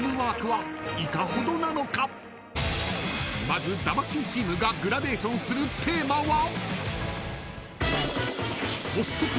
［まず魂チームがグラデーションするテーマは？］